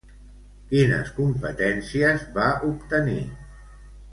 Quines competències va obtenir?